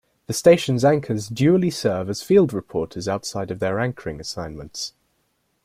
The station's anchors dually serve as field reporters outside of their anchoring assignments.